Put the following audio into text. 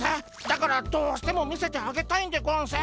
だからどうしても見せてあげたいんでゴンス。